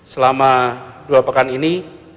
selama dua pekan ini